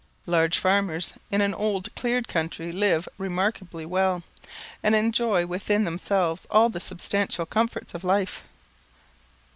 Large farmers in an old cleared country live remarkably well, and enjoy within themselves all the substantial comforts of life.